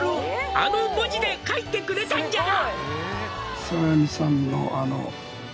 「あの文字で書いてくれたんじゃが」